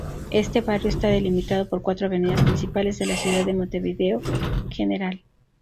Este barrio está delimitado por cuatro avenidas principales de la ciudad de Montevideo: Gral.